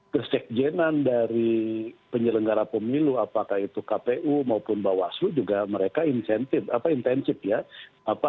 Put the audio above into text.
kesekjenan dari penyelenggara pemilu apakah itu kpu maupun bawaslu juga mereka intensif ya